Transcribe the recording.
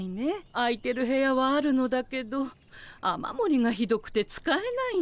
空いてる部屋はあるのだけど雨もりがひどくて使えないの。